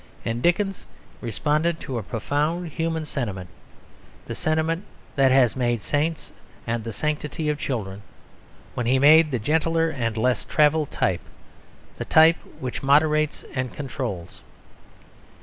And Dickens responded to a profound human sentiment (the sentiment that has made saints and the sanctity of children) when he made the gentler and less travelled type the type which moderates and controls.